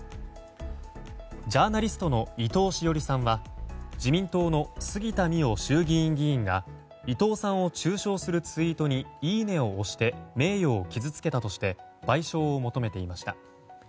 ジャーナリストの伊藤詩織さんは自民党の杉田水脈衆議院議員が伊藤さんを中傷するツイートにいいねを押して名誉を傷つけたとして賠償を求めていました。